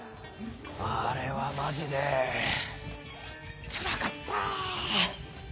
あれはマジでつらかった。